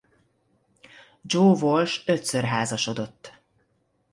Joe Walsh ötször házasodott.